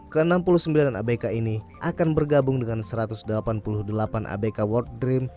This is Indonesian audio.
ke enam puluh sembilan abk ini akan bergabung dengan satu ratus delapan puluh delapan abk world dream